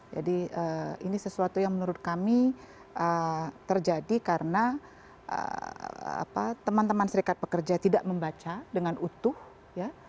jadi ini sesuatu yang menurut kami terjadi karena teman teman serikat pekerja tidak membaca dengan utuh ya